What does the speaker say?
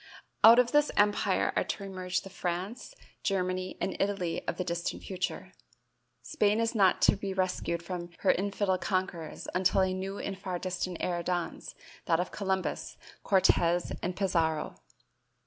Out of this empire are to emerge the France, Germany and Italy of the distant future. Spain is not to be rescued from her infidel conquerors until a new and far distant era dawns, that of Columbus, Cortez and Pizarro.